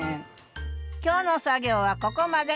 今日の作業はここまで。